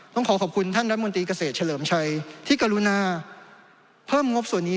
ต้องขอขอบคุณท่านรัฐมนตรีเกษตรเฉลิมชัยที่กรุณาเพิ่มงบส่วนนี้